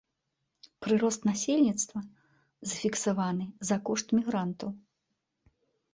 Прырост насельніцтва зафіксаваны за кошт мігрантаў.